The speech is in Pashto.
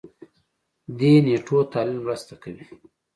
دې نېټو تحلیل مرسته کوي.